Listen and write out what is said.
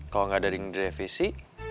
kalo gak ada yang direvisi